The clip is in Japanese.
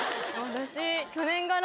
私。